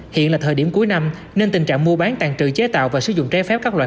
hiện là thời điểm cuối năm nên tình trạng mua bán tàn trừ chế tạo và sử dụng trái phép các loại